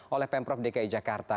oleh pemprov dki jakarta